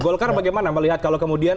golkar bagaimana melihat kalau kemudian